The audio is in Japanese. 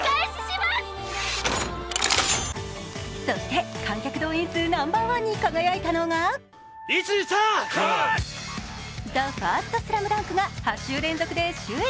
そして観客動員数ナンバーワンに輝いたのが「ＴＨＥＦＩＲＳＴＳＬＡＭＤＵＮＫ」が８週連続で首位。